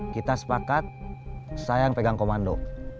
kita sepakat saya yang pegang komando